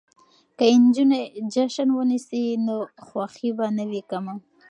که نجونې جشن ونیسي نو خوښي به نه وي کمه.